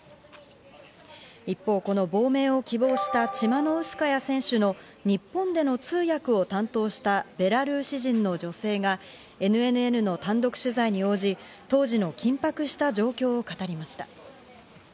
一方、この亡命を希望したチマノウスカヤ選手の日本での通訳を担当したベラルーシ人の女性がＮＮＮの単独取材に応じ、当時の緊迫した状況を語りました。